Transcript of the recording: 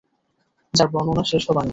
যার বর্ণনা শেষ হবার নয়।